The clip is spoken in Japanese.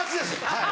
はい。